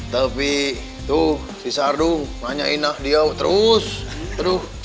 tapi tuh si sardu tanyain lah dia terus terus